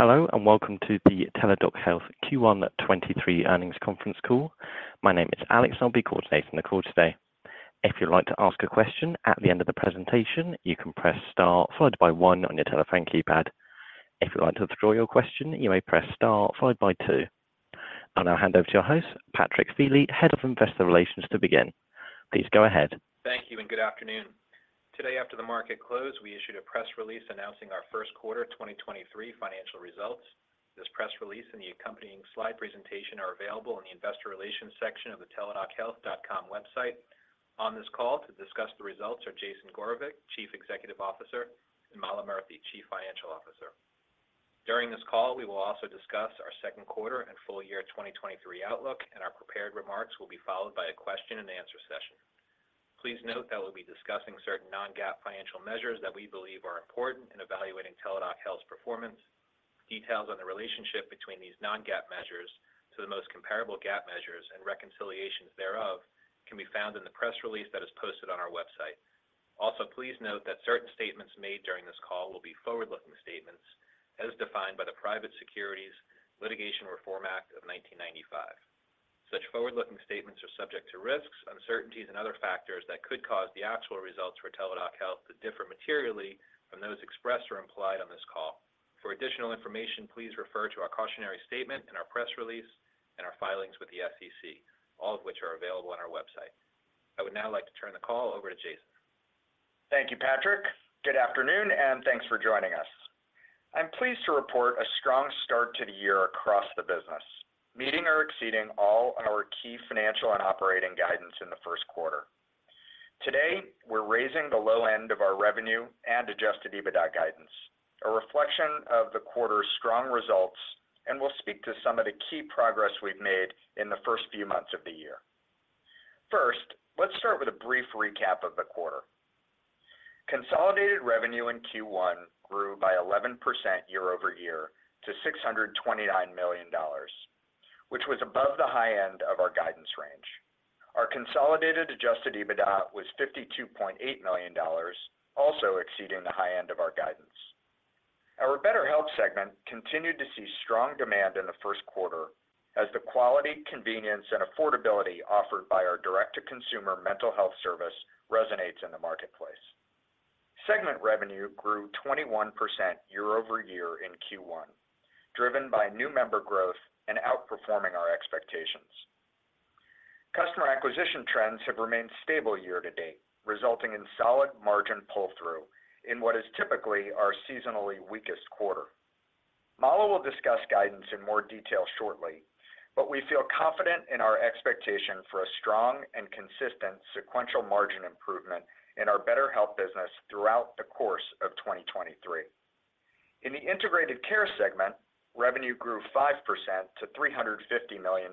Hello and welcome to the Teladoc Health Q1 2023 earnings conference call. My name is Alex. I'll be coordinating the call today. If you'd like to ask a question at the end of the presentation, you can press star followed by one on your telephone keypad. If you'd like to withdraw your question, you may press star followed by two. I'll now hand over to your host, Patrick Feeley, Head of Investor Relations, to begin. Please go ahead. Thank you and good afternoon. Today, after the market closed, we issued a press release announcing our first quarter 2023 financial results. This press release and the accompanying slide presentation are available in the investor relations section of the teladochealth.com website. On this call to discuss the results are Jason Gorevic, Chief Executive Officer, and Mala Murthy, Chief Financial Officer. During this call, we will also discuss our second quarter and full year 2023 outlook. Our prepared remarks will be followed by a question and answer session. Please note that we'll be discussing certain non-GAAP financial measures that we believe are important in evaluating Teladoc Health's performance. Details on the relationship between these non-GAAP measures to the most comparable GAAP measures and reconciliations thereof can be found in the press release that is posted on our website. Please note that certain statements made during this call will be forward-looking statements as defined by the Private Securities Litigation Reform Act of 1995. Such forward-looking statements are subject to risks, uncertainties and other factors that could cause the actual results for Teladoc Health to differ materially from those expressed or implied on this call. For additional information, please refer to our cautionary statement in our press release and our filings with the SEC, all of which are available on our website. I would now like to turn the call over to Jason. Thank you, Patrick. Good afternoon. Thanks for joining us. I'm pleased to report a strong start to the year across the business, meeting or exceeding all our key financial and operating guidance in the first quarter. Today, we're raising the low end of our revenue and adjusted EBITDA guidance, a reflection of the quarter's strong results, and we'll speak to some of the key progress we've made in the first few months of the year. First, let's start with a brief recap of the quarter. Consolidated revenue in Q1 grew by 11% year-over-year to $629 million, which was above the high end of our guidance range. Our consolidated adjusted EBITDA was $52.8 million, also exceeding the high end of our guidance. Our BetterHelp segment continued to see strong demand in the first quarter as the quality, convenience, and affordability offered by our direct-to-consumer mental health service resonates in the marketplace. Segment revenue grew 21% year-over-year in Q1, driven by new member growth and outperforming our expectations. Customer acquisition trends have remained stable year to date, resulting in solid margin pull-through in what is typically our seasonally weakest quarter. Mala will discuss guidance in more detail shortly, but we feel confident in our expectation for a strong and consistent sequential margin improvement in our BetterHelp business throughout the course of 2023. In the Integrated Care segment, revenue grew 5% to $350 million,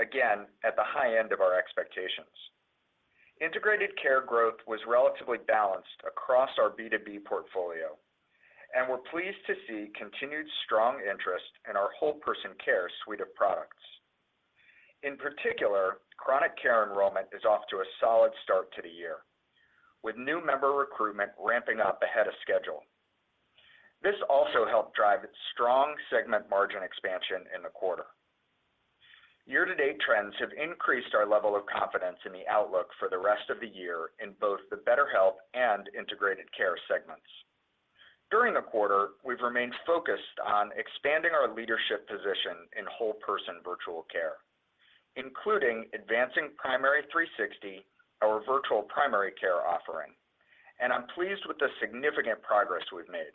again, at the high end of our expectations. Integrated Care growth was relatively balanced across our B2B portfolio, and we're pleased to see continued strong interest in our whole-person care suite of products. In particular, chronic care enrollment is off to a solid start to the year, with new member recruitment ramping up ahead of schedule. This also helped drive strong segment margin expansion in the quarter. Year to date trends have increased our level of confidence in the outlook for the rest of the year in both the BetterHelp and Integrated Care segments. During the quarter, we've remained focused on expanding our leadership position in whole-person virtual care, including advancing Primary360, our virtual primary care offering, and I'm pleased with the significant progress we've made.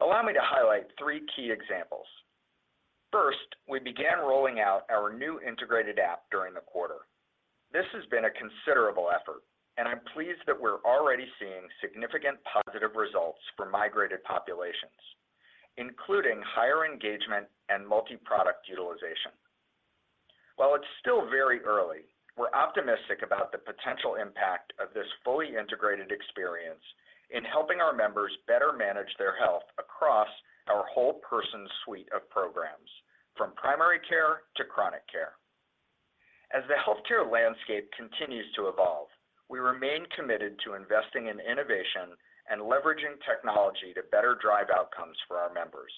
Allow me to highlight three key examples. First, we began rolling out our new integrated app during the quarter. This has been a considerable effort, and I'm pleased that we're already seeing significant positive results for migrated populations, including higher engagement and multi-product utilization. While it's still very early, we're optimistic about the potential impact of this fully integrated experience in helping our members better manage their health across our whole-person suite of programs, from primary care to chronic care. As the healthcare landscape continues to evolve, we remain committed to investing in innovation and leveraging technology to better drive outcomes for our members.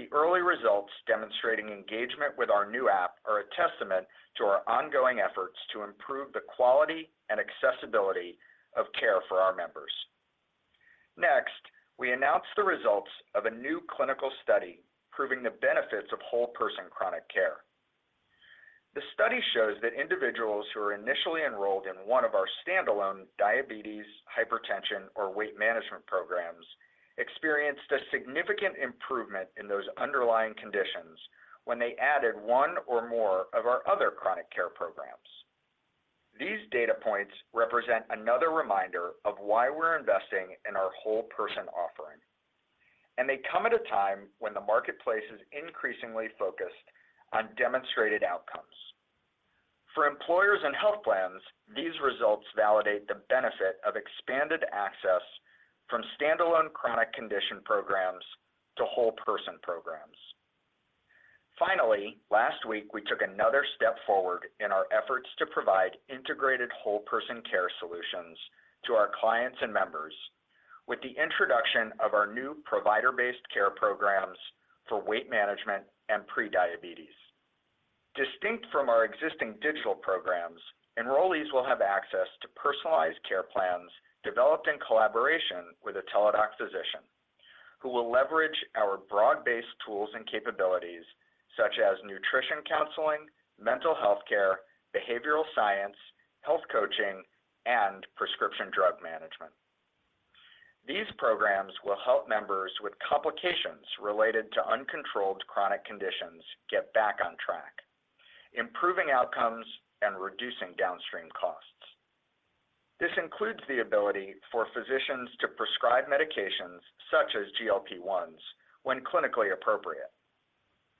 The early results demonstrating engagement with our new app are a testament to our ongoing efforts to improve the quality and accessibility of care for our members. Next, we announced the results of a new clinical study proving the benefits of whole-person chronic care. The study shows that individuals who are initially enrolled in one of our standalone diabetes, hypertension, or weight management programs experienced a significant improvement in those underlying conditions when they added one or more of our other chronic care programs. These data points represent another reminder of why we're investing in our whole-person offering, and they come at a time when the marketplace is increasingly focused on demonstrated outcomes. For employers and health plans, these results validate the benefit of expanded access from standalone chronic condition programs to whole-person programs. Finally, last week, we took another step forward in our efforts to provide integrated whole-person care solutions to our clients and members with the introduction of our new provider-based care programs for weight management and prediabetes. Distinct from our existing digital programs, enrollees will have access to personalized care plans developed in collaboration with a Teladoc physician who will leverage our broad-based tools and capabilities such as nutrition counseling, mental health care, behavioral science, health coaching, and prescription drug management. These programs will help members with complications related to uncontrolled chronic conditions get back on track, improving outcomes and reducing downstream costs. This includes the ability for physicians to prescribe medications such as GLP-1s when clinically appropriate.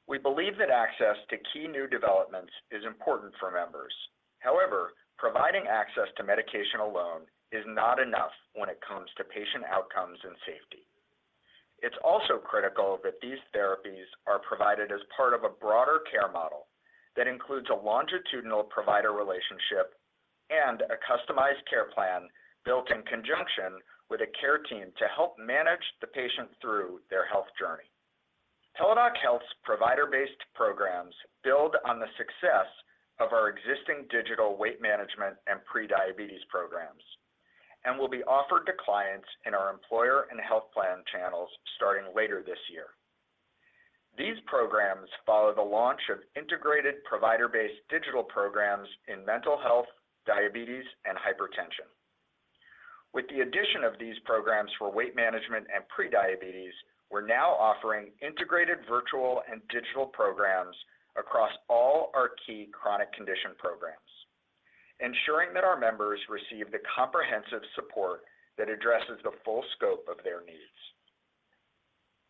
We believe that access to key new developments is important for members. However, providing access to medication alone is not enough when it comes to patient outcomes and safety. It's also critical that these therapies are provided as part of a broader care model that includes a longitudinal provider relationship and a customized care plan built in conjunction with a care team to help manage the patient through their health journey. Teladoc Health's provider-based programs build on the success of our existing digital weight management and prediabetes programs and will be offered to clients in our employer and health plan channels starting later this year. These programs follow the launch of integrated provider-based digital programs in mental health, diabetes, and hypertension. With the addition of these programs for weight management and prediabetes, we're now offering integrated virtual and digital programs across all our key chronic condition programs, ensuring that our members receive the comprehensive support that addresses the full scope of their needs.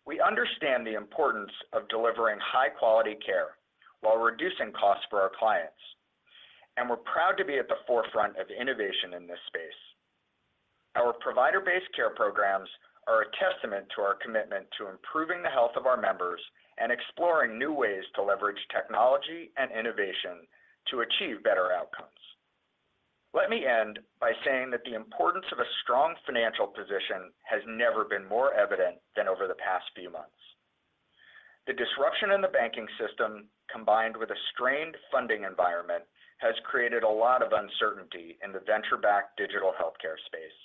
We understand the importance of delivering high-quality care while reducing costs for our clients. We're proud to be at the forefront of innovation in this space. Our provider-based care programs are a testament to our commitment to improving the health of our members and exploring new ways to leverage technology and innovation to achieve better outcomes. Let me end by saying that the importance of a strong financial position has never been more evident than over the past few months. The disruption in the banking system, combined with a strained funding environment, has created a lot of uncertainty in the venture-backed digital healthcare space,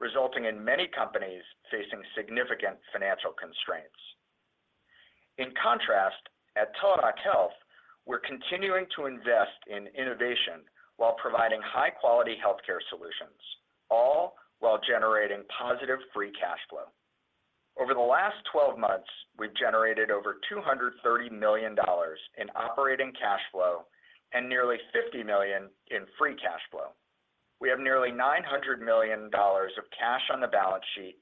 resulting in many companies facing significant financial constraints. In contrast, at Teladoc Health, we're continuing to invest in innovation while providing high-quality healthcare solutions, all while generating positive free cash flow. Over the last 12 months, we've generated over $230 million in operating cash flow and nearly $50 million in free cash flow. We have nearly $900 million of cash on the balance sheet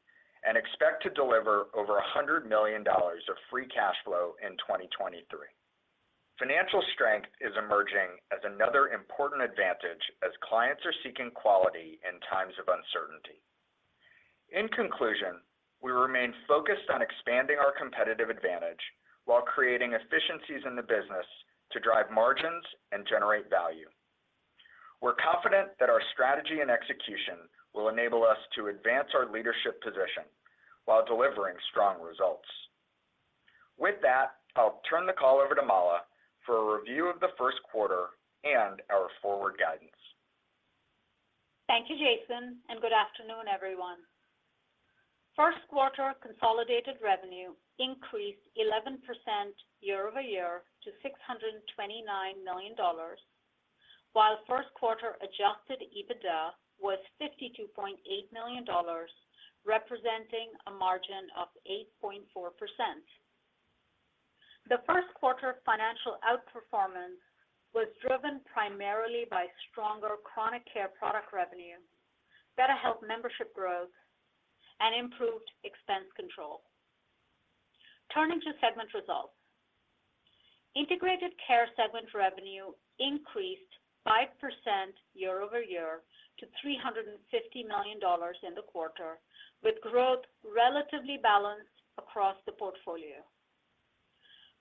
and expect to deliver over $100 million of free cash flow in 2023. Financial strength is emerging as another important advantage as clients are seeking quality in times of uncertainty. In conclusion, we remain focused on expanding our competitive advantage while creating efficiencies in the business to drive margins and generate value. We're confident that our strategy and execution will enable us to advance our leadership position while delivering strong results. With that, I'll turn the call over to Mala for a review of the first quarter and our forward guidance. Thank you, Jason, and good afternoon, everyone. First quarter consolidated revenue increased 11% year-over-year to $629 million, while first quarter adjusted EBITDA was $52.8 million, representing a margin of 8.4%. The first quarter financial outperformance was driven primarily by stronger chronic care product revenue, BetterHelp membership growth, and improved expense control. Turning to segment results. Integrated Care segment revenue increased 5% year-over-year to $350 million in the quarter, with growth relatively balanced across the portfolio.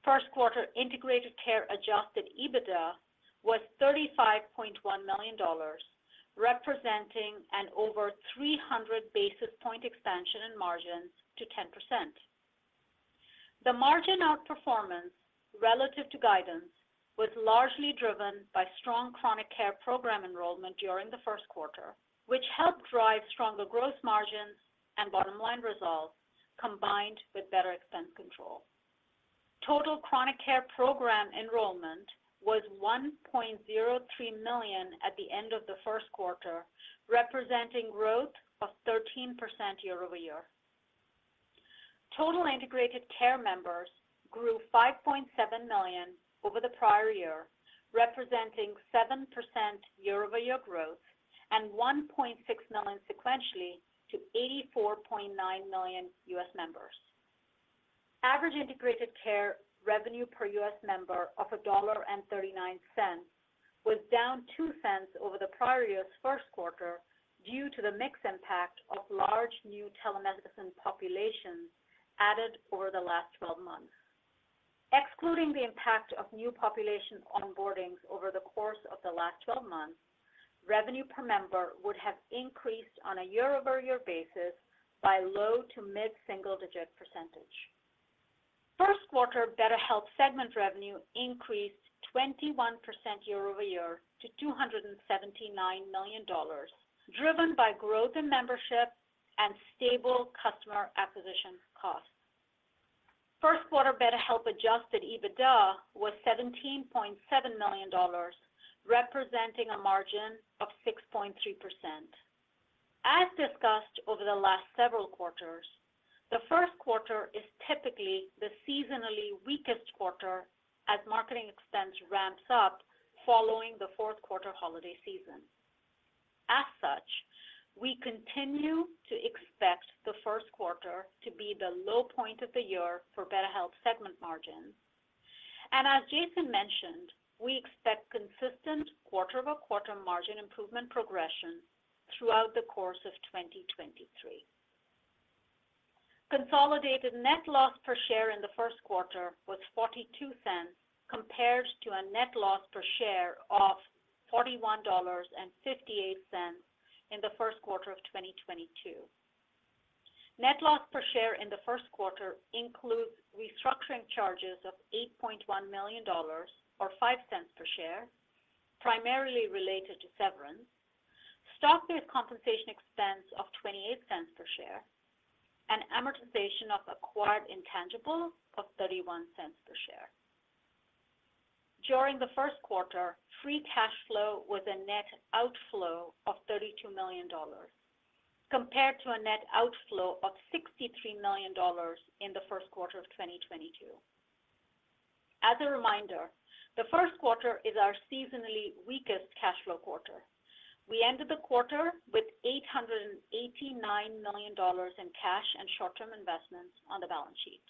First quarter Integrated Care adjusted EBITDA was $35.1 million, representing an over 300 basis point expansion in margins to 10%. The margin outperformance relative to guidance was largely driven by strong chronic care program enrollment during the first quarter, which helped drive stronger gross margins and bottom line results combined with better expense control. Total chronic care program enrollment was $1.03 million at the end of the first quarter, representing growth of 13% year-over-year. Total Integrated Care members grew $5.7 million over the prior year, representing 7% year-over-year growth and $1.6 million sequentially to $84.9 million U.S. members. Average Integrated Care revenue per U.S. member of $1.39 was down $0.02 over the prior year's first quarter due to the mix impact of large new telemedicine populations added over the last 12 months. Excluding the impact of new population onboardings over the course of the last 12 months, revenue per member would have increased on a year-over-year basis by low to mid single-digit percentage. First quarter BetterHelp segment revenue increased 21% year-over-year to $279 million, driven by growth in membership and stable customer acquisition costs. First quarter BetterHelp adjusted EBITDA was $17.7 million, representing a margin of 6.3%. As discussed over the last several quarters, the first quarter is typically the seasonally weakest quarter as marketing expense ramps up following the fourth quarter holiday season. As such, we continue to expect the first quarter to be the low point of the year for BetterHelp segment margins. As Jason mentioned, we expect consistent quarter-over-quarter margin improvement progression throughout the course of 2023. Consolidated net loss per share in the first quarter was $0.42 compared to a net loss per share of $41.58 in the first quarter of 2022. Net loss per share in the first quarter includes restructuring charges of $8.1 million, or $0.05 per share, primarily related to severance, stock-based compensation expense of $0.28 per share, and amortization of acquired intangibles of $0.31 per share. During the first quarter, free cash flow was a net outflow of $32 million, compared to a net outflow of $63 million in the first quarter of 2022. As a reminder, the first quarter is our seasonally weakest cash flow quarter. We ended the quarter with $889 million in cash and short-term investments on the balance sheet.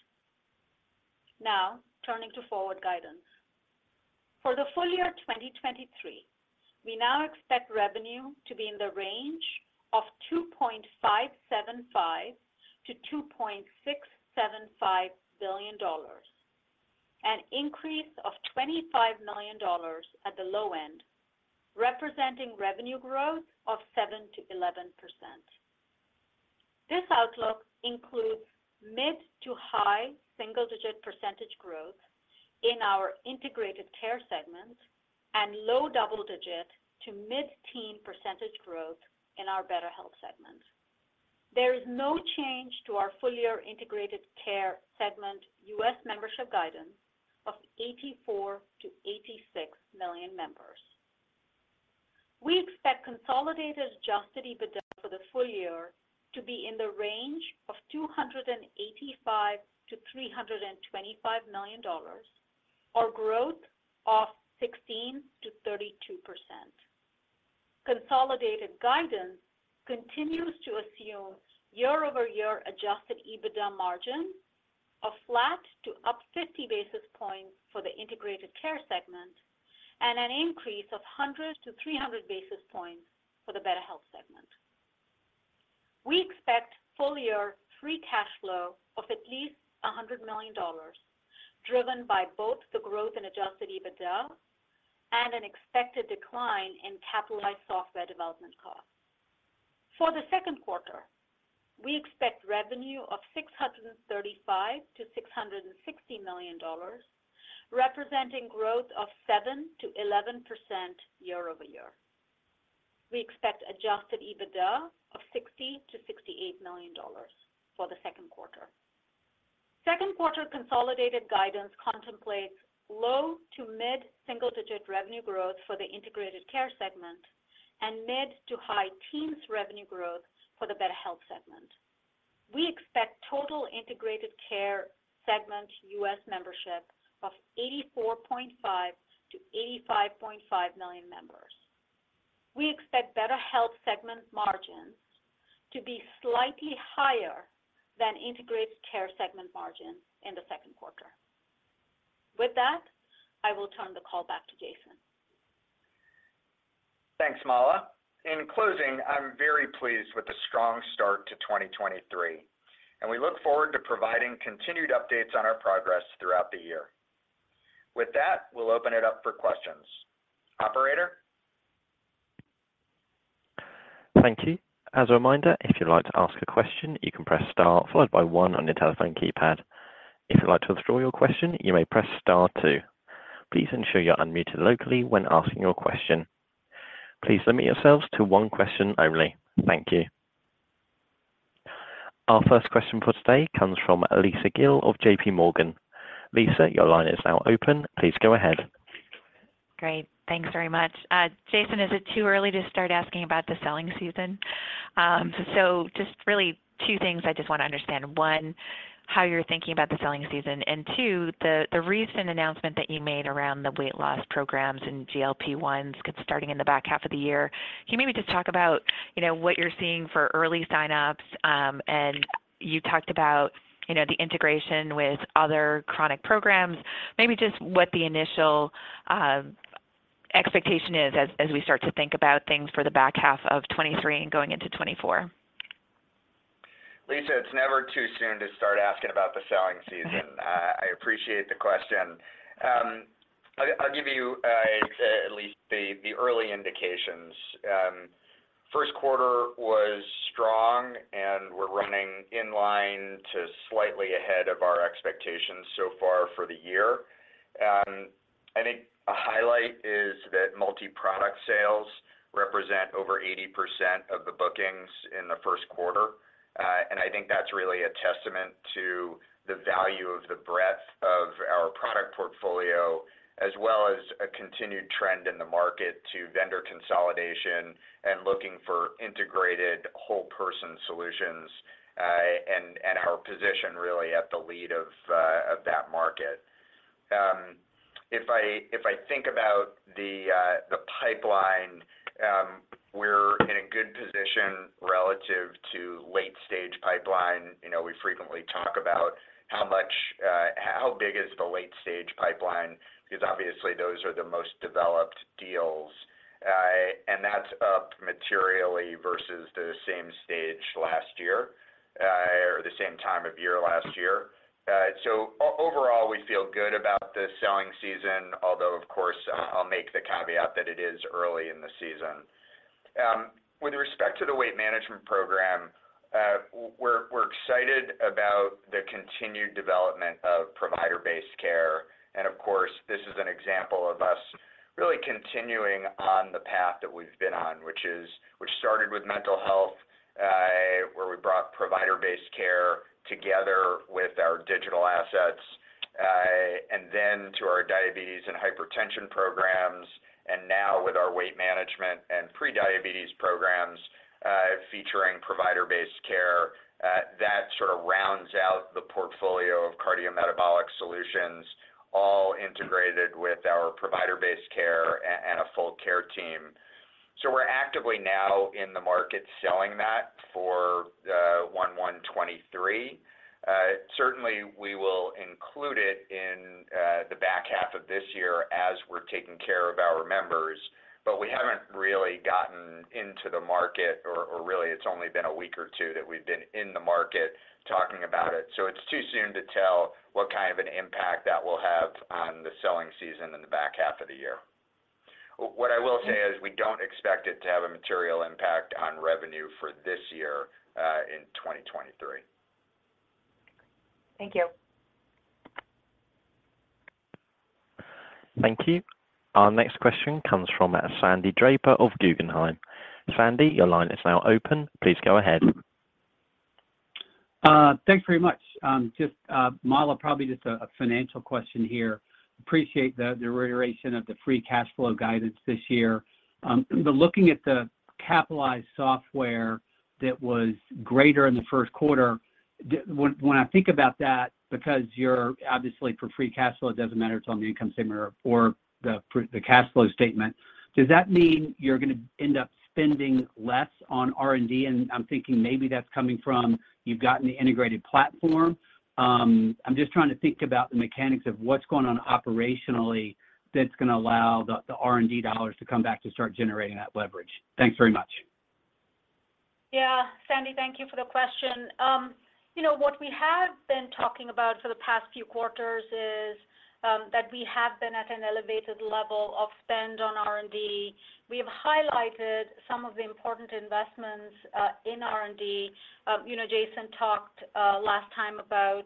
Now, turning to forward guidance. For the full year 2023, we now expect revenue to be in the range of $2.575 billion-$2.675 billion, an increase of $25 million at the low end, representing revenue growth of 7%-11%. This outlook includes mid to high single-digit percentage growth in our Integrated Care segment and low double-digit to mid-teen percentage growth in our BetterHelp segment. There is no change to our full year Integrated Care segment U.S. membership guidance of 84 million-86 million members. We expect consolidated adjusted EBITDA for the full year to be in the range of $285 million-$325 million, or growth of 16%-32%. Consolidated guidance continues to assume year-over-year adjusted EBITDA margin of flat to up 50 basis points for the Integrated Care segment and an increase of 100-300 basis points for the BetterHelp segment. We expect full-year free cash flow of at least $100 million, driven by both the growth in adjusted EBITDA and an expected decline in capitalized software development costs. For the second quarter, we expect revenue of $635 million-$660 million, representing growth of 7%-11% year-over-year. We expect adjusted EBITDA of $60 million-$68 million for the second quarter. Second quarter consolidated guidance contemplates low to mid single-digit revenue growth for the Integrated Care segment and mid to high teens revenue growth for the BetterHelp segment. We expect total Integrated Care segment U.S. membership of 84.5 to 85.5 million members. We expect BetterHelp segment margins to be slightly higher than Integrated Care segment margins in the second quarter. With that, I will turn the call back to Jason. Thanks, Mala. In closing, I'm very pleased with the strong start to 2023, and we look forward to providing continued updates on our progress throughout the year. With that, we'll open it up for questions. Operator? Thank you. As a reminder, if you'd like to ask a question, you can press star followed by one on your telephone keypad. If you'd like to withdraw your question, you may press star two. Please ensure you're unmuted locally when asking your question. Please limit yourselves to one question only. Thank you. Our first question for today comes from Lisa Gill of JPMorgan. Lisa, your line is now open. Please go ahead. Great. Thanks very much. Jason, is it too early to start asking about the selling season? Just really two things I just want to understand. One, how you're thinking about the selling season, and two, the recent announcement that you made around the weight loss programs and GLP-1s starting in the back half of the year. Can you maybe just talk about, you know, what you're seeing for early sign-ups? You talked about, you know, the integration with other chronic programs. Maybe just what the initial. Expectation is as we start to think about things for the back half of 2023 and going into 2024. Lisa, it's never too soon to start asking about the selling season. I appreciate the question. I'll give you at least the early indications. First quarter was strong, and we're running in line to slightly ahead of our expectations so far for the year. I think a highlight is that multi-product sales represent over 80% of the bookings in the first quarter. I think that's really a testament to the value of the breadth of our product portfolio, as well as a continued trend in the market to vendor consolidation and looking for integrated whole person solutions, and our position really at the lead of that market. If I think about the pipeline, we're in a good position relative to late-stage pipeline. You know, we frequently talk about how much, how big is the late-stage pipeline, because obviously those are the most developed deals. That's up materially versus the same stage last year, or the same time of year last year. Overall, we feel good about the selling season, although, of course, I'll make the caveat that it is early in the season. With respect to the weight management program, we're excited about the continued development of provider-based care. Of course, this is an example of us really continuing on the path that we've been on, which started with mental health, where we brought provider-based care together with our digital assets, and then to our diabetes and hypertension programs, and now with our weight management and prediabetes programs, featuring provider-based care. That sort of rounds out the portfolio of cardiometabolic solutions all integrated with our provider-based care and a full care team. We're actively now in the market selling that for 1/1/23. Certainly, we will include it in the back half of this year as we're taking care of our members, but we haven't really gotten into the market or really it's only been a week or two that we've been in the market talking about it. It's too soon to tell what kind of an impact that will have on the selling season in the back half of the year. What I will say is we don't expect it to have a material impact on revenue for this year in 2023. Thank you. Thank you. Our next question comes from Sandy Draper of Guggenheim. Sandy, your line is now open. Please go ahead. Thanks very much. Just, Mala, probably just a financial question here. Appreciate the reiteration of the free cash flow guidance this year. Looking at the capitalized software that was greater in the first quarter, when I think about that, because you're obviously for free cash flow, it doesn't matter it's on the income statement or for the cash flow statement, does that mean you're gonna end up spending less on R&D? I'm thinking maybe that's coming from you've got an integrated platform. I'm just trying to think about the mechanics of what's going on operationally that's gonna allow the R&D dollars to come back to start generating that leverage. Thanks very much. Yeah. Sandy, thank you for the question. You know what we have been talking about for the past few quarters is that we have been at an elevated level of spend on R&D. We have highlighted some of the important investments in R&D. You know, Jason talked last time about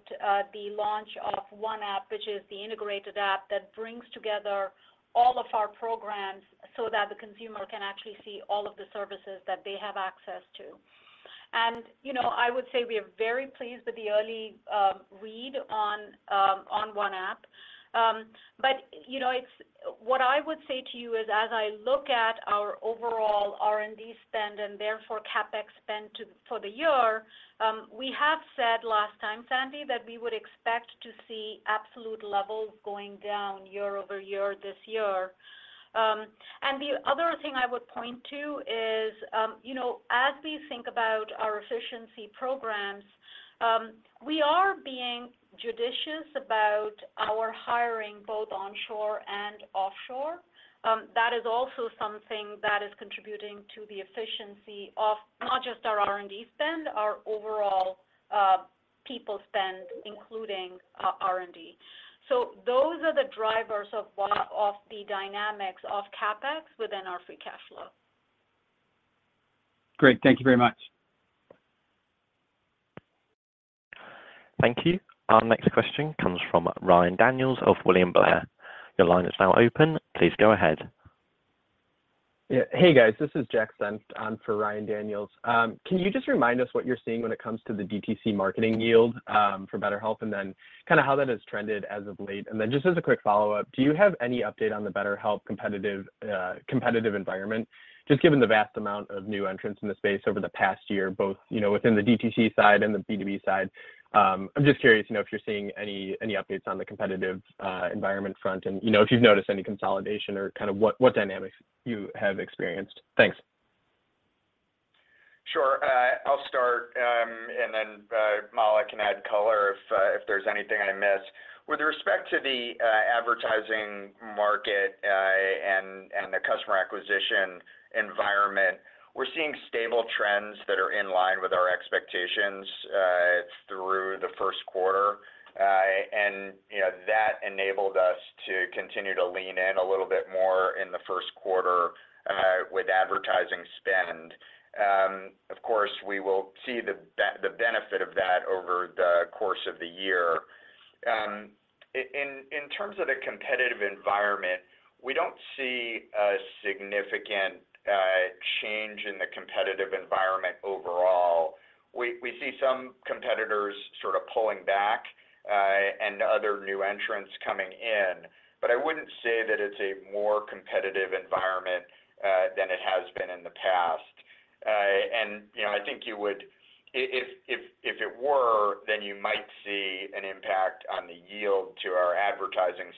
the launch of One App, which is the integrated app that brings together all of our programs so that the consumer can actually see all of the services that they have access to. You know, I would say we are very pleased with the early read on One App. You know, what I would say to you is as I look at our overall R&D spend and therefore CapEx spend for the year, we have said last time, Sandy, that we would expect to see absolute levels going down year-over-year this year. The other thing I would point to is, you know, as we think about our efficiency programs, we are being judicious about our hiring, both onshore and offshore. That is also something that is contributing to the efficiency of not just our R&D spend, our overall people spend, including R&D. Those are the drivers of the dynamics of CapEx within our free cash flow. Great. Thank you very much. Thank you. Our next question comes from Ryan Daniels of William Blair. Your line is now open. Please go ahead. Yeah. Hey, guys. This is Jack Senft on for Ryan Daniels. Can you just remind us what you're seeing when it comes to the DTC marketing yield, for BetterHelp, and then kinda how that has trended as of late? Just as a quick follow-up, do you have any update on the BetterHelp competitive environment, just given the vast amount of new entrants in the space over the past year, both, you know, within the DTC side and the B2B side? I'm just curious, you know, if you're seeing any updates on the competitive, environment front and, you know, if you've noticed any consolidation or kind of what dynamics you have experienced. Thanks. If there's anything I missed. With respect to the advertising market, and the customer acquisition environment, we're seeing stable trends that are in line with our expectations through the first quarter. And you know, that enabled us to continue to lean in a little bit more in the first quarter with advertising spend. Of course, we will see the benefit of that over the course of the year. In terms of the competitive environment, we don't see a significant change in the competitive environment overall. We see some competitors sort of pulling back, and other new entrants coming in. I wouldn't say that it's a more competitive environment than it has been in the past. You know, I think you would... If it were, then you might see an impact on the yield to our advertising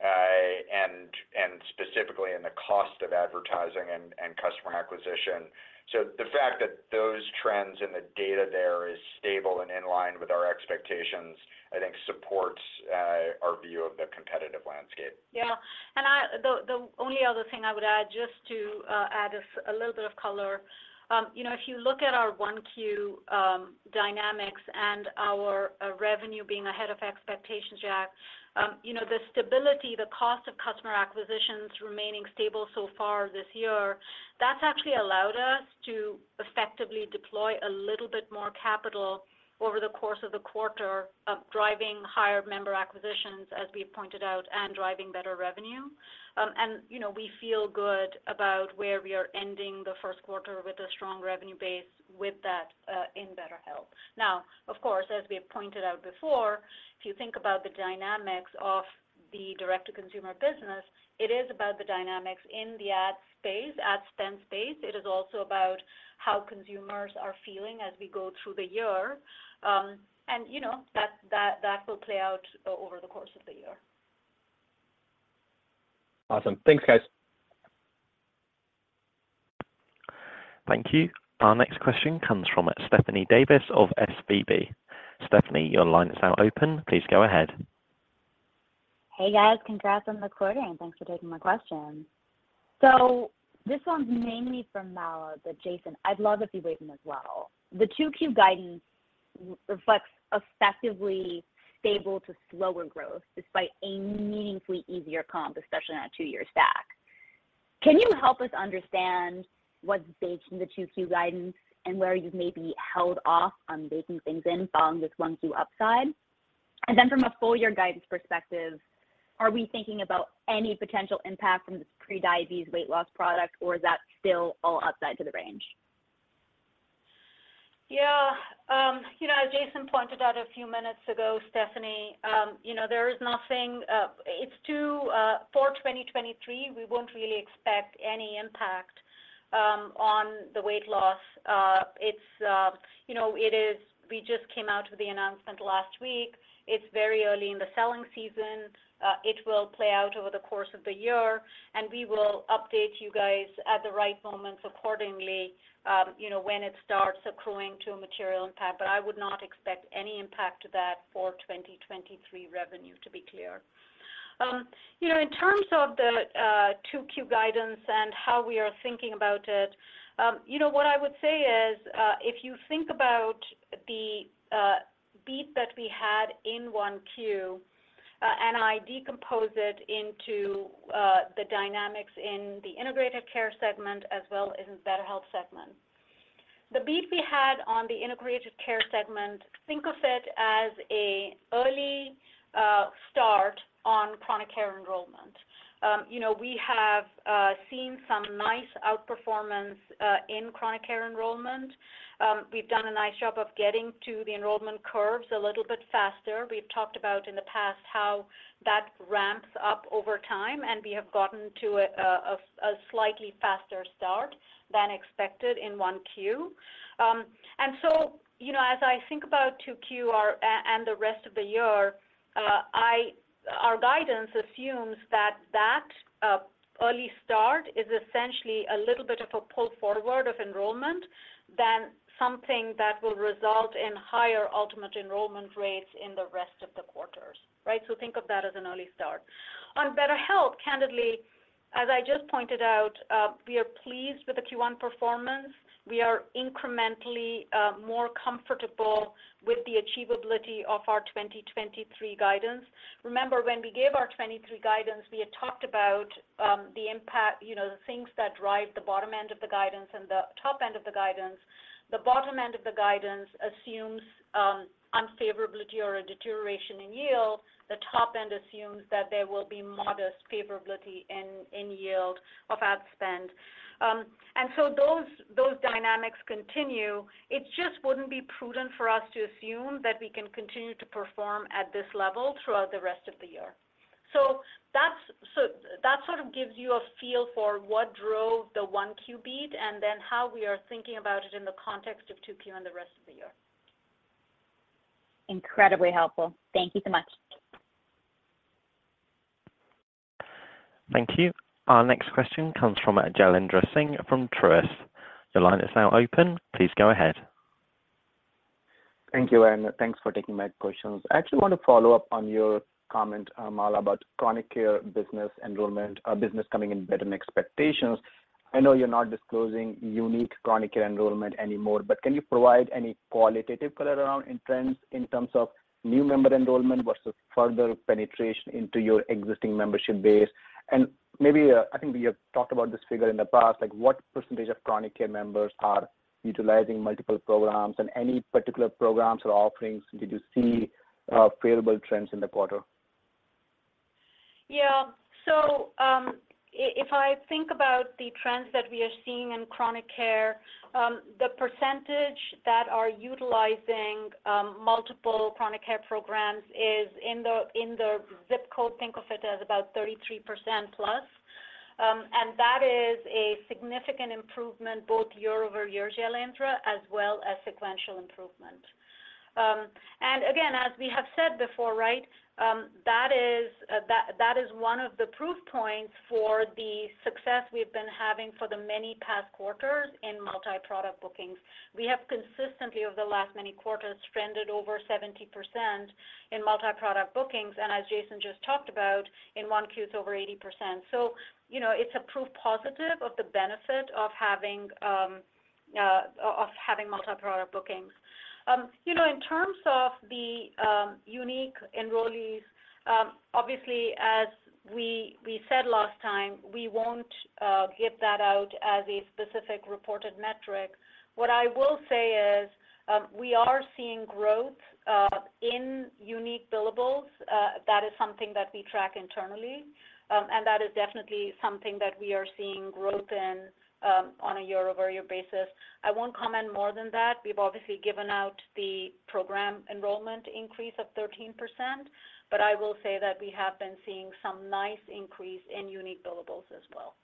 spend, and specifically in the cost of advertising and customer acquisition. The fact that those trends and the data there is stable and in line with our expectations, I think supports our view of the competitive landscape. Yeah. The only other thing I would add, just to add a little bit of color. You know, if you look at our 1Q dynamics and our revenue being ahead of expectations, Jack Senft, you know, the stability, the cost of customer acquisitions remaining stable so far this year, that's actually allowed us to effectively deploy a little bit more capital over the course of the quarter, driving higher member acquisitions as we pointed out, and driving better revenue. You know, we feel good about where we are ending the first quarter with a strong revenue base with that in BetterHelp. Of course, as we have pointed out before, if you think about the dynamics of the direct-to-consumer business, it is about the dynamics in the ad space, ad spend space. It is also about how consumers are feeling as we go through the year. You know, that will play out over the course of the year. Awesome. Thanks, guys. Thank you. Our next question comes from Stephanie Davis of SVB. Stephanie, your line is now open. Please go ahead. Hey, guys. Congrats on the quarter, and thanks for taking my questions. This one's mainly for Mala, but Jason, I'd love if you weigh in as well. The 2Q guidance reflects effectively stable to slower growth despite a meaningfully easier comp, especially on a two years back. Can you help us understand what's baked in the 2Q guidance and where you've maybe held off on baking things in following this 1Q upside? From a full year guidance perspective, are we thinking about any potential impact from this prediabetes weight loss product, or is that still all upside to the range? Yeah. You know, as Jason pointed out a few minutes ago, Stephanie, you know, there is nothing. It's too, for 2023, we won't really expect any impact on the weight loss. It's, you know, we just came out with the announcement last week. It's very early in the selling season. It will play out over the course of the year, and we will update you guys at the right moments accordingly, you know, when it starts accruing to a material impact. I would not expect any impact to that for 2023 revenue, to be clear. In terms of the 2Q guidance and how we are thinking about it, what I would say is, if you think about the beat that we had in 1Q, and I decompose it into the dynamics in the Integrated Care segment as well as in BetterHelp segment. The beat we had on the Integrated Care segment, think of it as a early start on chronic care enrollment. We have seen some nice outperformance in chronic care enrollment. We've done a nice job of getting to the enrollment curves a little bit faster. We've talked about in the past how that ramps up over time, and we have gotten to a slightly faster start than expected in 1Q. You know, as I think about 2Q or the rest of the year, our guidance assumes that that early start is essentially a little bit of a pull forward of enrollment than something that will result in higher ultimate enrollment rates in the rest of the quarters, right? Think of that as an early start. On BetterHelp, candidly, as I just pointed out, we are pleased with the Q1 performance. We are incrementally more comfortable with the achievability of our 2023 guidance. Remember, when we gave our 23 guidance, we had talked about the impact, you know, the things that drive the bottom end of the guidance and the top end of the guidance. The bottom end of the guidance assumes unfavorability or a deterioration in yield. The top end assumes that there will be modest favorability in yield of ad spend. Those dynamics continue. It just wouldn't be prudent for us to assume that we can continue to perform at this level throughout the rest of the year. That sort of gives you a feel for what drove the 1Q beat and then how we are thinking about it in the context of 2Q and the rest of the year. Incredibly helpful. Thank you so much. Thank you. Our next question comes from Jailendra Singh from Truist. Your line is now open. Please go ahead. Thank you. Thanks for taking my questions. I actually want to follow up on your comment, Mala, about chronic care business enrollment, business coming in better than expectations. I know you're not disclosing unique chronic care enrollment anymore, but can you provide any qualitative color around in trends in terms of new member enrollment versus further penetration into your existing membership base? Maybe, I think we have talked about this figure in the past, like, what percentage of chronic care members are utilizing multiple programs? Any particular programs or offerings did you see favorable trends in the quarter? If I think about the trends that we are seeing in chronic care, the percentage that are utilizing multiple chronic care programs is in the ZIP Code, think of it as about 33%+. That is a significant improvement both year-over-year, Jailendra, as well as sequential improvement. Again, as we have said before, right, that is one of the proof points for the success we've been having for the many past quarters in multi-product bookings. We have consistently over the last many quarters trended over 70% in multi-product bookings, and as Jason just talked about, in 1Q, it's over 80%. You know, it's a proof positive of the benefit of having of having multi-product bookings. You know, in terms of the unique enrollees, obviously, as we said last time, we won't give that out as a specific reported metric. What I will say is, we are seeing growth in unique billables, that is something that we track internally. That is definitely something that we are seeing growth in on a year-over-year basis. I won't comment more than that. We've obviously given out the program enrollment increase of 13%. I will say that we have been seeing some nice increase in unique billables as well.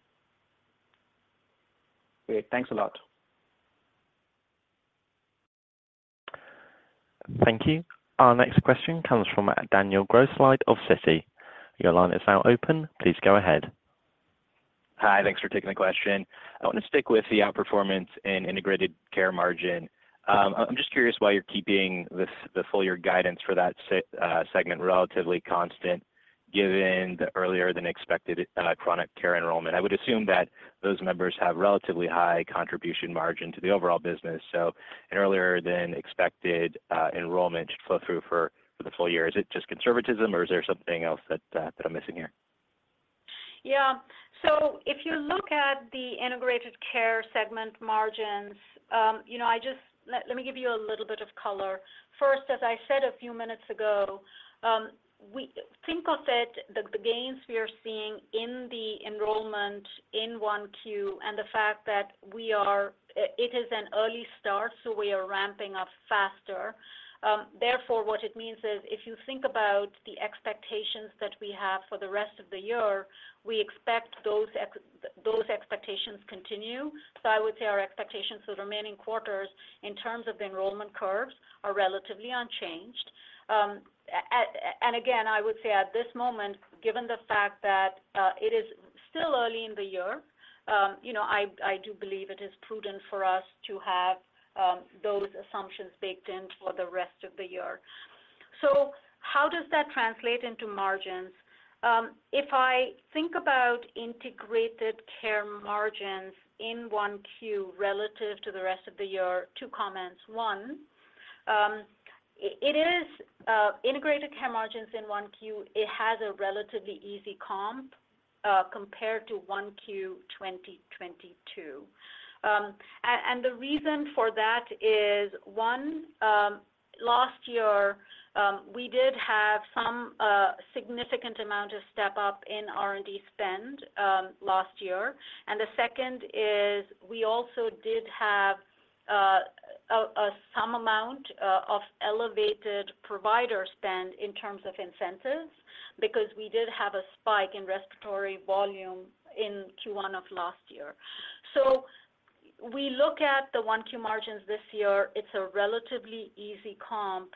Great. Thanks a lot. Thank you. Our next question comes from Daniel Grosslight of Citi. Your line is now open. Please go ahead. Hi. Thanks for taking the question. I wanna stick with the outperformance in Integrated Care margin. I'm just curious why you're keeping the full year guidance for that segment relatively constant given the earlier than expected chronic care enrollment. I would assume that those members have relatively high contribution margin to the overall business, an earlier than expected enrollment should flow through for the full year. Is it just conservatism or is there something else that I'm missing here? Yeah. If you look at the Integrated Care segment margins, you know, let me give you a little bit of color. First, as I said a few minutes ago, think of it, the gains we are seeing in the enrollment in 1Q and the fact that we are it is an early start, so we are ramping up faster. Therefore, what it means is if you think about the expectations that we have for the rest of the year, we expect those expectations continue. I would say our expectations for the remaining quarters in terms of the enrollment curves are relatively unchanged. And again, I would say at this moment, given the fact that it is still early in the year, you know, I do believe it is prudent for us to have those assumptions baked in for the rest of the year. How does that translate into margins? If I think about Integrated Care margins in 1Q relative to the rest of the year, two comments. One, it is Integrated Care margins in 1Q, it has a relatively easy comp compared to 1Q 2022. And the reason for that is, one, last year, we did have some significant amount of step-up in R&D spend last year. The second is we also did have some amount of elevated provider spend in terms of incentives because we did have a spike in respiratory volume in Q1 of last year. We look at the one Q margins this year, it's a relatively easy comp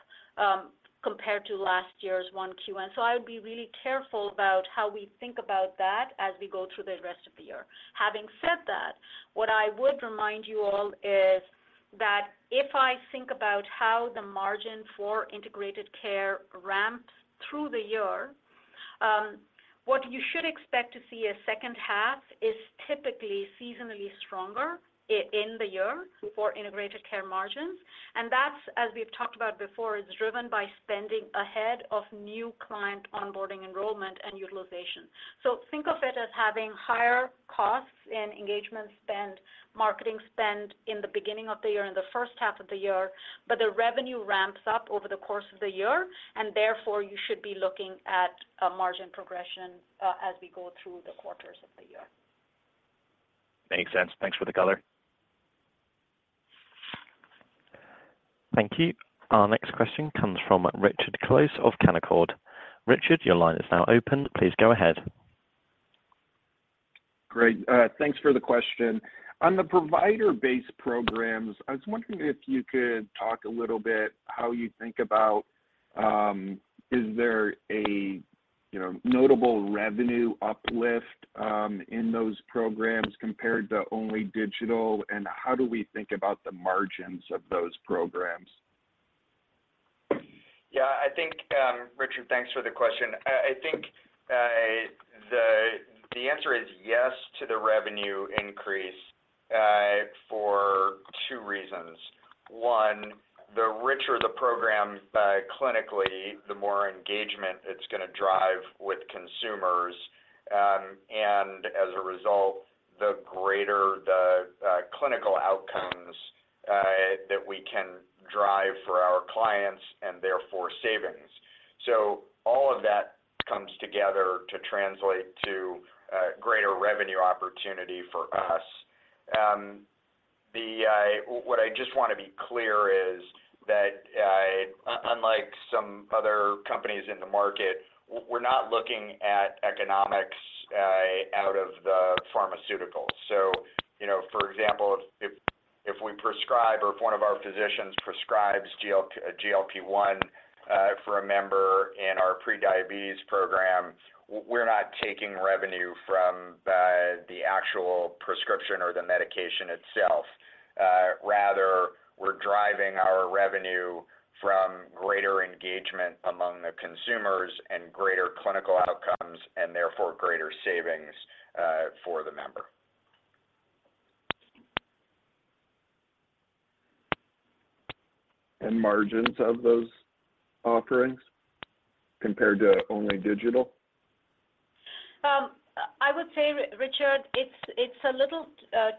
compared to last year's one Q. I would be really careful about how we think about that as we go through the rest of the year. Having said that, what I would remind you all is that if I think about how the margin for Integrated Care ramps through the year, what you should expect to see as second half is typically seasonally stronger in the year for Integrated Care margins. That's, as we've talked about before, is driven by spending ahead of new client onboarding enrollment and utilization. Think of it as having higher costs in engagement spend, marketing spend in the beginning of the year, in the first half of the year, but the revenue ramps up over the course of the year, and therefore you should be looking at a margin progression as we go through the quarters of the year. Makes sense. Thanks for the color. Thank you. Our next question comes from Richard Close of Canaccord. Richard, your line is now open. Please go ahead. Great. Thanks for the question. On the provider-based programs, I was wondering if you could talk a little bit how you think about, is there a, you know, notable revenue uplift in those programs compared to only digital? How do we think about the margins of those programs? Yeah, I think, Richard, thanks for the question. I think, the answer is yes to the revenue increase, for two reasons. One, the richer the program, clinically, the more engagement it's gonna drive with consumers. As a result, the greater the clinical outcomes that we can drive for our clients and therefore savings. All of that comes together to translate to greater revenue opportunity for us. The what I just wanna be clear is that, unlike some other companies in the market, we're not looking at economics out of the pharmaceuticals. You know, for example, if we prescribe or if one of our physicians prescribes GLP-1 for a member in our prediabetes program, we're not taking revenue from the actual prescription or the medication itself. Rather, we're driving our revenue from greater engagement among the consumers and greater clinical outcomes, and therefore greater savings for the member. Margins of those offerings compared to only digital? I would say, Richard, it's a little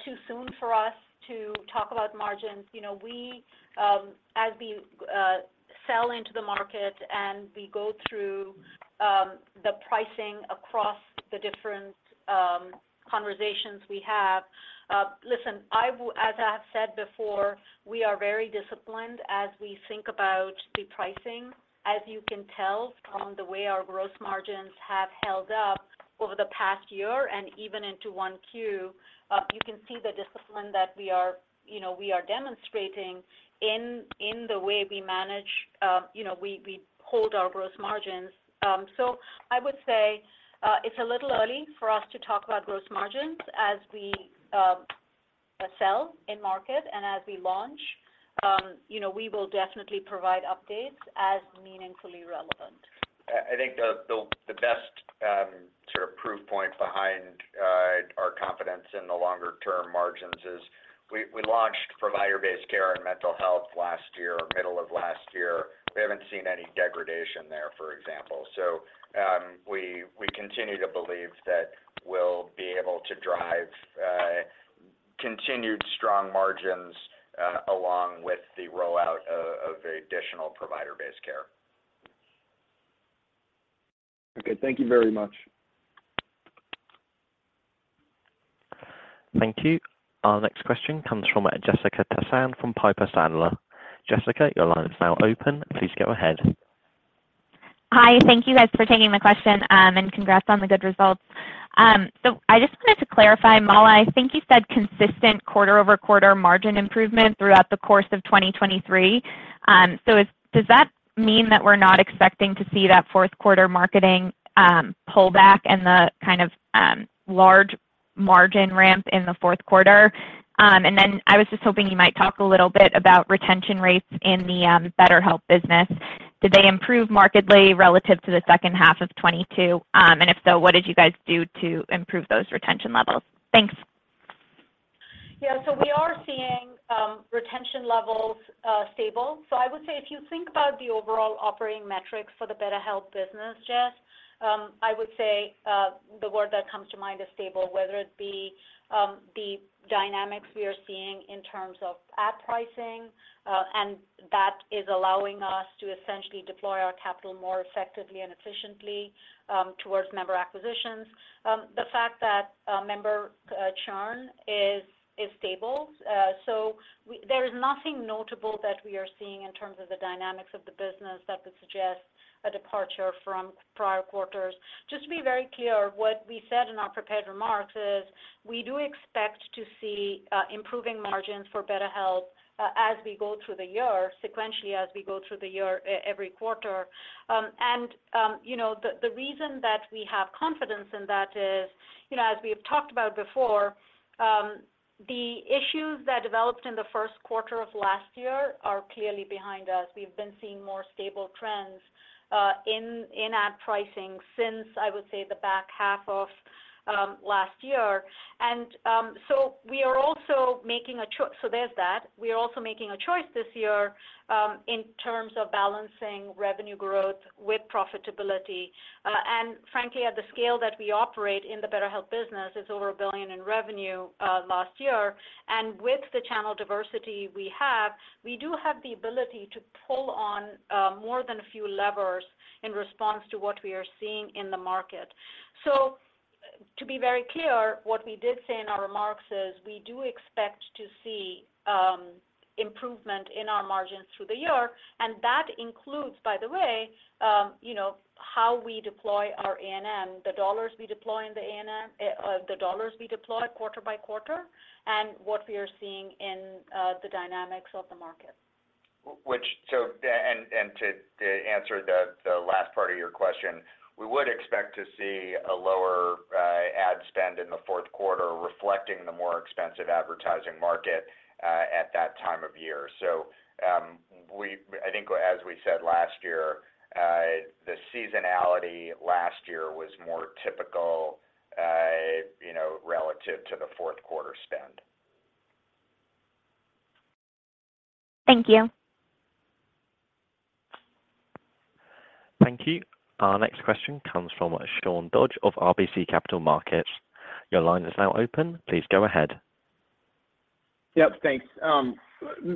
too soon for us to talk about margins. You know, we as we sell into the market and we go through the pricing across the different conversations we have. Listen, as I have said before, we are very disciplined as we think about the pricing, as you can tell from the way our gross margins have held up over the past year and even into 1Q. You can see the discipline that we are, you know, we are demonstrating in the way we manage, you know, we hold our gross margins. I would say it's a little early for us to talk about gross margins as we sell in market and as we launch. You know, we will definitely provide updates as meaningfully relevant. I think the best sort of proof point behind our confidence in the longer-term margins is we launched provider-based care and mental health last year, middle of last year. We haven't seen any degradation there, for example. We continue to believe that we'll be able to drive continued strong margins along with the rollout of additional provider-based care. Okay. Thank you very much. Thank you. Our next question comes from Jessica Tassan from Piper Sandler. Jessica, your line is now open. Please go ahead. Hi. Thank you guys for taking the question, and congrats on the good results. I just wanted to clarify, Mala, I think you said consistent quarter-over-quarter margin improvement throughout the course of 2023. Does that mean that we're not expecting to see that fourth quarter marketing pull back and the kind of large margin ramp in the fourth quarter? I was just hoping you might talk a little bit about retention rates in the BetterHelp business. Did they improve markedly relative to the second half of 2022? If so, what did you guys do to improve those retention levels? Thanks. We are seeing retention levels stable. I would say if you think about the overall operating metrics for the BetterHelp business, Jess, I would say the word that comes to mind is stable, whether it be the dynamics we are seeing in terms of ad pricing, and that is allowing us to essentially deploy our capital more effectively and efficiently towards member acquisitions. The fact that member churn is stable. There is nothing notable that we are seeing in terms of the dynamics of the business that would suggest a departure from prior quarters. Just to be very clear, what we said in our prepared remarks is we do expect to see improving margins for BetterHelp as we go through the year, sequentially as we go through the year every quarter. You know, the reason that we have confidence in that is, you know, as we have talked about before, the issues that developed in the first quarter of last year are clearly behind us. We've been seeing more stable trends in ad pricing since, I would say, the back half of last year. There's that. We are also making a choice this year in terms of balancing revenue growth with profitability. Frankly, at the scale that we operate in the BetterHelp business is over $1 billion in revenue last year. With the channel diversity we have, we do have the ability to pull on more than a few levers in response to what we are seeing in the market. To be very clear, what we did say in our remarks is we do expect to see improvement in our margins through the year, and that includes, by the way, you know, how we deploy our A&M, the dollars we deploy in the A&M, the dollars we deploy quarter by quarter, and what we are seeing in the dynamics of the market. Which so, yeah, and to answer the last part of your question, we would expect to see a lower ad spend in the fourth quarter reflecting the more expensive advertising market at that time of year. I think as we said last year, the seasonality last year was more typical, you know, relative to the fourth quarter spend. Thank you. Thank you. Our next question comes from Sean Dodge of RBC Capital Markets. Your line is now open. Please go ahead. Yep, thanks.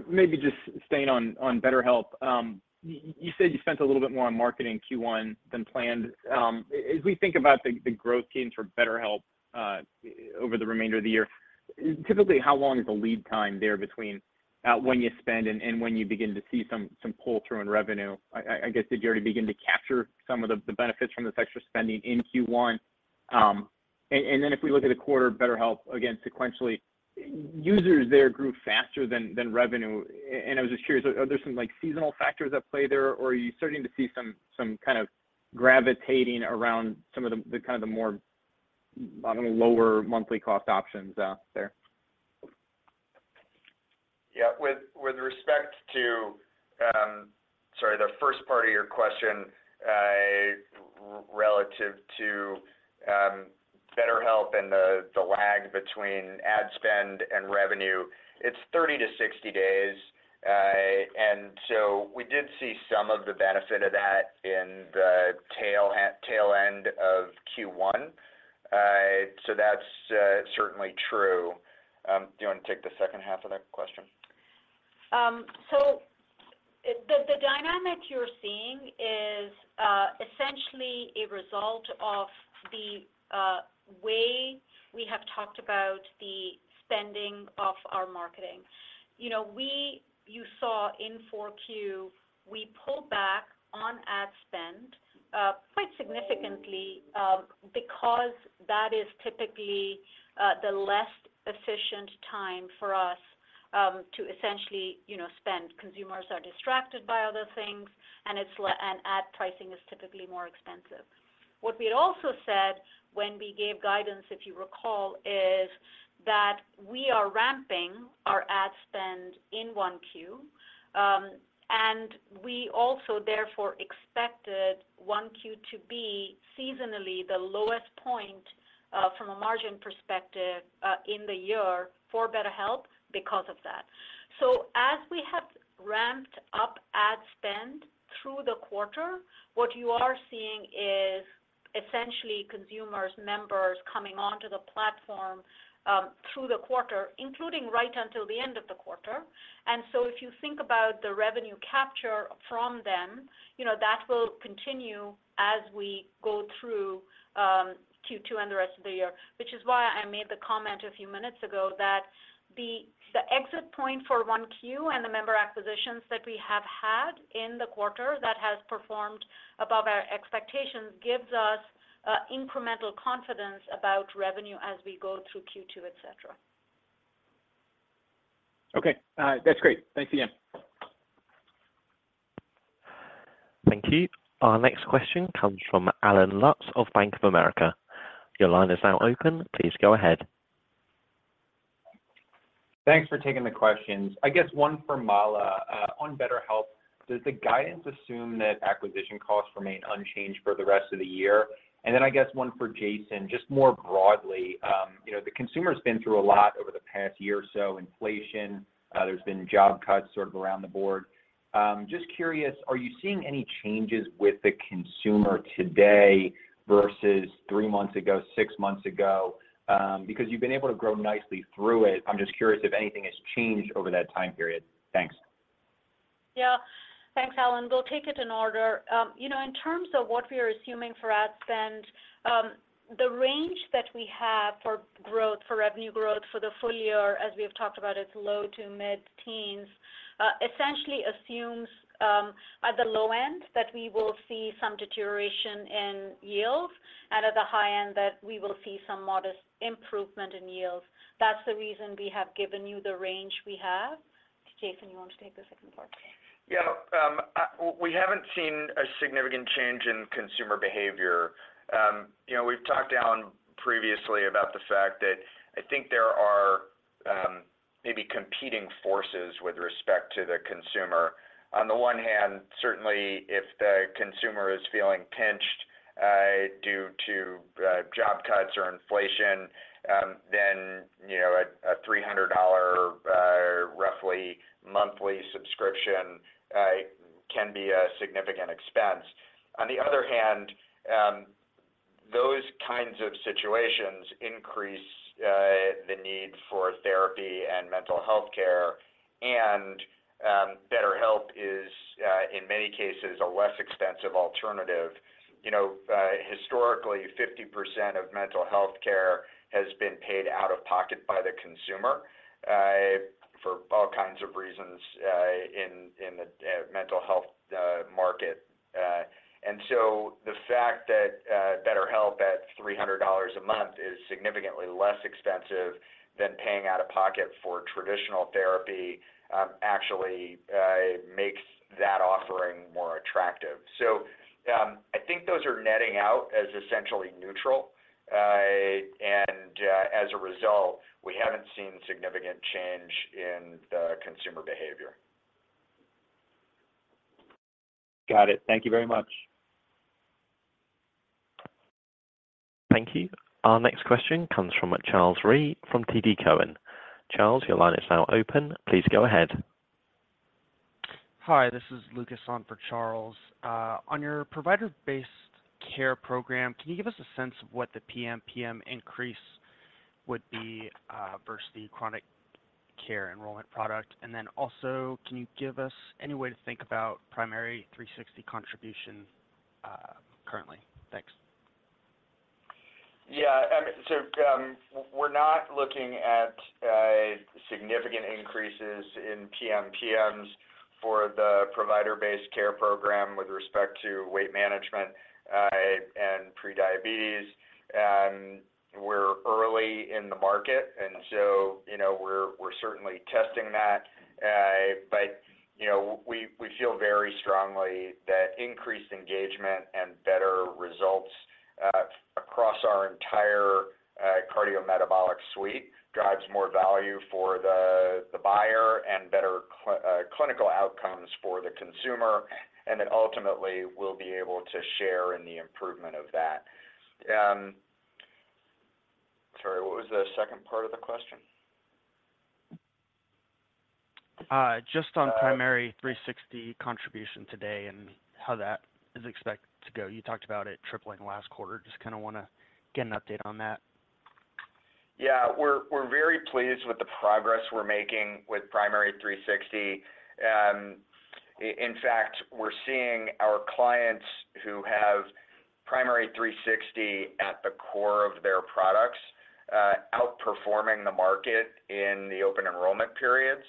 Maybe just staying on BetterHelp. You said you spent a little bit more on marketing Q1 than planned. As we think about the growth teams for BetterHelp over the remainder of the year, typically, how long is the lead time there between when you spend and when you begin to see some pull-through in revenue? I guess, did you already begin to capture some of the benefits from this extra spending in Q1? Then if we look at a quarter of BetterHelp, again, sequentially, users there grew faster than revenue. I was just curious, are there some, like, seasonal factors at play there, or are you starting to see some kind of gravitating around some of the kind of the more, I don't know, lower monthly cost options out there? Yeah. With respect to, sorry, the first part of your question, relative to BetterHelp and the lag between ad spend and revenue, it's 30 to 60 days. We did see some of the benefit of that in the tail end of Q1. That's certainly true. Do you wanna take the second half of that question? The dynamic you're seeing is essentially a result of the way we have talked about the spending of our marketing. You know, you saw in 4Q, we pulled back on ad spend quite significantly, because that is typically the less efficient time for us to essentially, you know, spend. Consumers are distracted by other things, and ad pricing is typically more expensive. What we had also said when we gave guidance, if you recall, is that we are ramping our ad spend in 1Q. We also therefore expected 1Q to be seasonally the lowest point from a margin perspective in the year for BetterHelp because of that. As we have ramped up ad spend through the quarter, what you are seeing is essentially consumers, members coming onto the platform, through the quarter, including right until the end of the quarter. If you think about the revenue capture from them, you know, that will continue as we go through Q2 and the rest of the year. I made the comment a few minutes ago that the exit point for 1Q and the member acquisitions that we have had in the quarter that has performed above our expectations gives us incremental confidence about revenue as we go through Q2, et cetera. Okay. That's great. Thanks, again. Thank you. Our next question comes from Allen Lutz of Bank of America. Your line is now open. Please go ahead. Thanks for taking the questions. I guess one for Mala, on BetterHelp. Does the guidance assume that acquisition costs remain unchanged for the rest of the year? I guess one for Jason, just more broadly, you know, the consumer's been through a lot over the past year or so, inflation, there's been job cuts sort of around the board. just curious, are you seeing any changes with the consumer today versus three months ago, six months ago? because you've been able to grow nicely through it. I'm just curious if anything has changed over that time period. Thanks. Yeah. Thanks, Alan. We'll take it in order. You know, in terms of what we are assuming for ad spend, the range that we have for growth, for revenue growth for the full year, as we have talked about, it's low to mid-teens, essentially assumes at the low end that we will see some deterioration in yields and at the high end that we will see some modest improvement in yields. That's the reason we have given you the range we have. Jason, you want to take the second part? Yeah. We haven't seen a significant change in consumer behavior. You know, we've talked previously about the fact that I think there are maybe competing forces with respect to the consumer. On the one hand, certainly if the consumer is feeling pinched due to job cuts or inflation, then, you know, a $300 roughly monthly subscription can be a significant expense. On the other hand, those kinds of situations increase the need for therapy and mental health care. BetterHelp is in many cases, a less expensive alternative. You know, historically, 50% of mental health care has been paid out of pocket by the consumer for all kinds of reasons in the mental health market. The fact that BetterHelp at $300 a month is significantly less expensive than paying out of pocket for traditional therapy, actually makes that offering more attractive. I think those are netting out as essentially neutral. As a result, we haven't seen significant change in the consumer behavior. Got it. Thank you very much. Thank you. Our next question comes from Charles Rhyee from TD Cowen. Charles, your line is now open. Please go ahead. Hi, this is Lucas on for Charles. On your provider-based care program, can you give us a sense of what the PMPM increase would be, versus the chronic care enrollment product? Also, can you give us any way to think about Primary360 contribution, currently? Thanks. Yeah. We're not looking at significant increases in PMPMs for the provider-based care program with respect to weight management and prediabetes. We're early in the market, you know, we're certainly testing that. You know, we feel very strongly that increased engagement and better results across our entire cardiometabolic suite drives more value for the buyer and better clinical outcomes for the consumer, ultimately, we'll be able to share in the improvement of that. Sorry, what was the second part of the question? Just on Primary360 contribution today and how that is expected to go. You talked about it tripling last quarter. Just kind of want to get an update on that. Yeah. We're very pleased with the progress we're making with Primary360. In fact, we're seeing our clients who have Primary360 at the core of their products, outperforming the market in the open enrollment periods.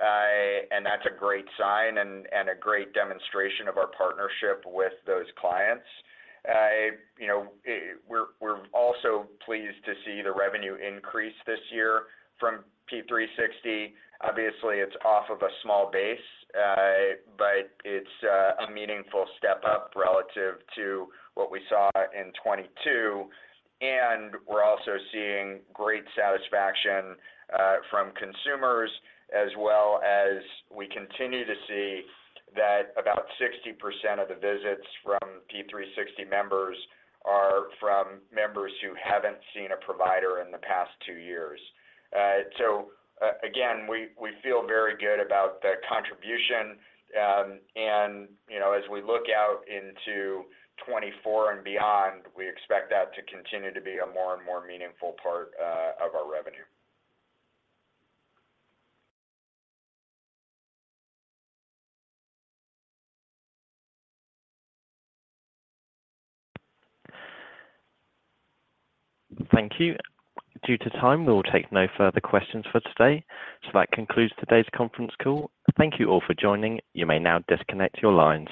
That's a great sign and a great demonstration of our partnership with those clients. You know, we're also pleased to see the revenue increase this year from P360. Obviously, it's off of a small base, but it's a meaningful step up relative to what we saw in 2022. We're also seeing great satisfaction from consumers as well as we continue to see that about 60% of the visits from P360 members are from members who haven't seen a provider in the past two years. Again, we feel very good about the contribution. You know, as we look out into 2024 and beyond, we expect that to continue to be a more and more meaningful part of our revenue. Thank you. Due to time, we will take no further questions for today. That concludes today's conference call. Thank you all for joining. You may now disconnect your lines.